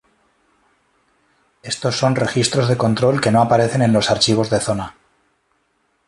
Estos son registros de control que no aparecen en los archivos de zona.